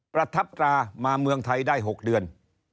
ประทับตรามาเมืองไทยได้๖เดือน